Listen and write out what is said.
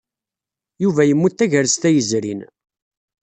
Yuba yemmut tagrest-a yezrin.